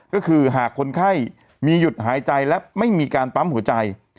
ก็คือหากคนไข้มีหยุดหายใจและไม่มีการปั๊มหัวใจ